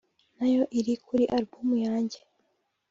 nayo iri kuri album yanjye